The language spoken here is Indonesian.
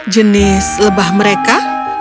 jenis lebah mereka